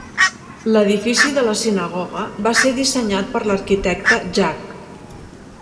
L'edifici de la sinagoga, va ser dissenyat per l'arquitecte Jac.